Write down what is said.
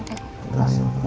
gak ada apa apa